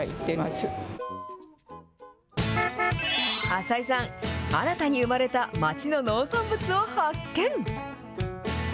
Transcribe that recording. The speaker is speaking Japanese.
浅井さん、新たに生まれた町の農産物を発見。